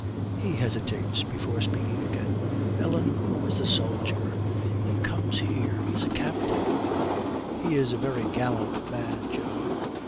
He hesitates before speaking again. 'Ellen, who is the soldier? He comes here. He is a captain.' 'He is a very gallant man, John.